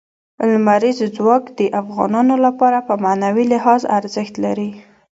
لمریز ځواک د افغانانو لپاره په معنوي لحاظ ارزښت لري.